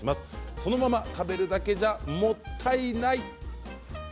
そのまま食べるだけじゃもったいない。